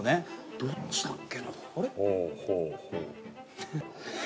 どっちだっけ？